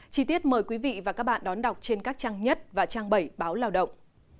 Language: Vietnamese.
chí tiết mời quý vị và các bạn đón đọc trên các trang nhất và trang bảy báo lao động